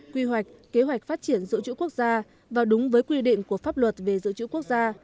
quy hoạch kế hoạch phát triển dự trữ quốc gia và đúng với quy định của pháp luật về dự trữ quốc gia